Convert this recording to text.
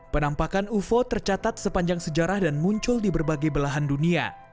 penampakan ufo tercatat sepanjang sejarah dan muncul di berbagai belahan dunia